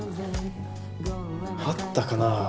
あったかな。